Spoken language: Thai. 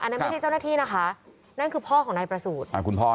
อันนั้นไม่ใช่เจ้าหน้าที่นะคะนั่นคือพ่อของนายประสูจน์